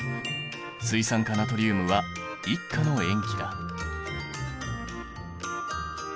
水酸化ナトリウムは１価の塩基だ。